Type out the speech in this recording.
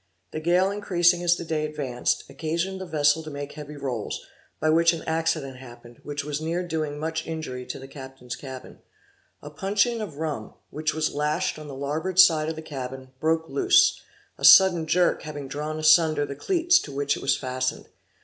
The gale increasing as the day advanced, occasioned the vessel to make heavy rolls, by which an accident happened, which was near doing much injury to the captain's cabin. A puncheon of rum, which was lashed on the larboard side of the cabin, broke loose, a sudden jerk having drawn assunder the cleats to which it was fastened.